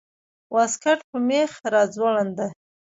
واسکټ په مېخ راځوړند ده